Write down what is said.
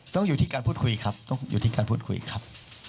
ต้องอยู่ที่การพูดคุยครับต้องอยู่ที่การพูดคุยครับ